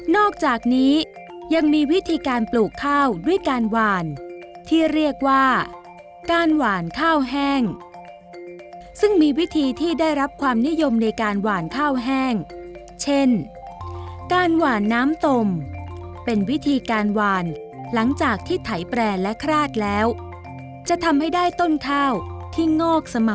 จากนี้ยังมีวิธีการปลูกข้าวด้วยการหวานที่เรียกว่าการหวานข้าวแห้งซึ่งมีวิธีที่ได้รับความนิยมในการหวานข้าวแห้งเช่นการหวานน้ำตมเป็นวิธีการหวานหลังจากที่ไถแปรและคราดแล้วจะทำให้ได้ต้นข้าวที่งอกสม